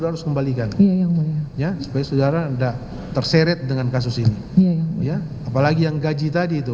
harus kembalikan ya supaya saudara enggak terseret dengan kasus ini ya apalagi yang gaji tadi itu